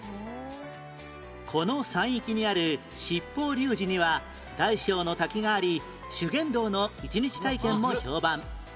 この山域にある七宝瀧寺には大小の滝があり修験道の一日体験も評判